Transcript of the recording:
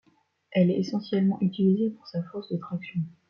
Elle est essentiellement utilisée pour sa force de traction.